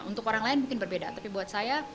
untuk orang lain mungkin berbeda tapi buat saya